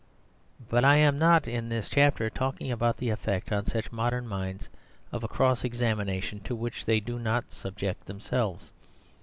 But I am not, in this chapter, talking about the effect on such modern minds of a cross examination to which they do not subject themselves.